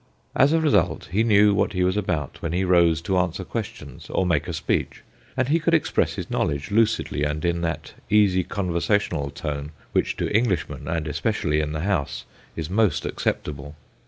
As a result, he knew what he was about when he rose to answer questions or make a speech, and he could express his knowledge lucidly and in that easy conversational tone which to Englishmen, and especially in the House, is most acceptable.